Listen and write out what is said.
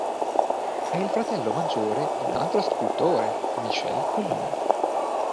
È il fratello maggiore di un altro scultore, Michel Colombe.